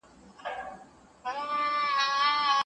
شرعي لارښووني پر څه باندي دلالت کوي؟